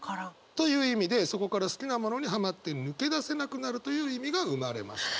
という意味でそこから好きなものにハマって抜け出せなくなるという意味が生まれました。